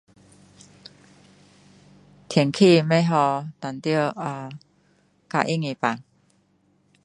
天气不好，当然 uhm 较容易病